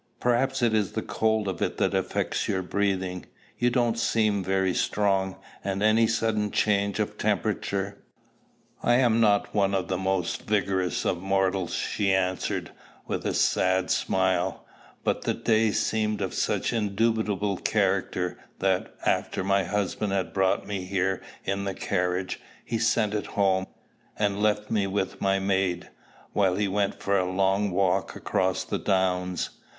"Perhaps it is the cold of it that affects your breathing. You don't seem very strong, and any sudden change of temperature" "I am not one of the most vigorous of mortals," she answered, with a sad smile; "but the day seemed of such indubitable character, that, after my husband had brought me here in the carriage, he sent it home, and left me with my maid, while he went for a long walk across the downs.